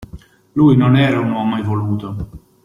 Lui non era un uomo evoluto.